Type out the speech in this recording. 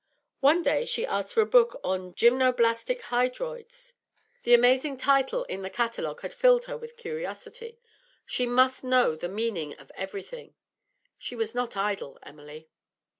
One day she asked for a book on 'Gymnoblastic Hydroids'; the amazing title in the catalogue had filled her with curiosity; she must know the meaning of everything. She was not idle, Emily.